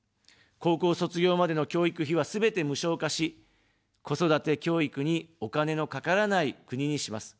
高校卒業までの教育費は、すべて無償化し、子育て、教育にお金のかからない国にします。